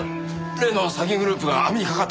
例の詐欺グループが網に掛かったぞ！